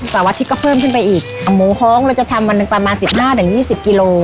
อาทิตย์ก็เพิ่มขึ้นไปอีกเอาหมูฮ้องเราจะทำวันหนึ่งประมาณสิบห้าถึงยี่สิบกิโล